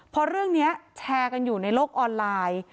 พอเรื่องนี้แชร์กันอยู่ในโลกออนไลน์